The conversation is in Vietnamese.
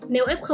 và trong đó